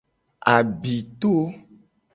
Abito.